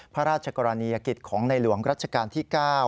พระราชกรณียกิจของในหลวงรัชกาลที่๙